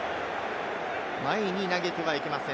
前に投げてはいけません。